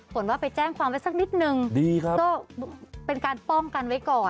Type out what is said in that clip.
ขนว่าไปแจ้งความไว้สักนิดนึงก็เป็นการป้องกันไว้ก่อนนะคะ